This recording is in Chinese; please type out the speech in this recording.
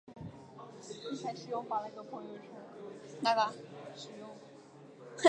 温逸朗曾参与不同形式的演出和音乐工作。